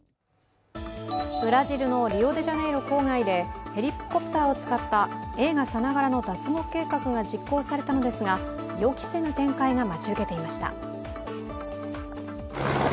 ブラジルのリオデジャネイロ郊外でヘリコプターを使った映画さながらの脱獄計画が実行されたのですが予期せぬ展開が待ち受けていました。